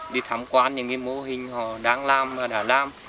đi tham quan những mô hình họ đang làm đã làm